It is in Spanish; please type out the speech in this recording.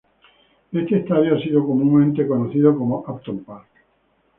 Este estadio ha sido comúnmente conocido como Upton Park.